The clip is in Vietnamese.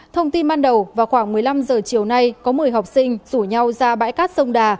thông tin ban đầu vào khoảng một mươi năm h chiều nay có một mươi học sinh rủ nhau ra bãi cát sông đà